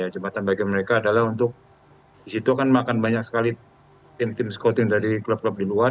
jembatan bagi mereka adalah untuk disitu kan makan banyak sekali tim tim scouting dari klub klub di luar